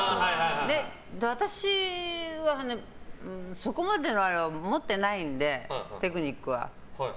私はね、そこまでのものは持ってないので、テクニックは。